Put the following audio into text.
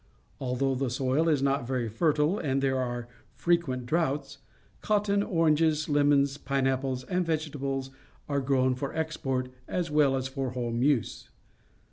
Although the soil is not very fertile and there are frequent droughts, cotton, oranges, lem ons, pineapples, and vegetables are grown for ' export as well as for home use.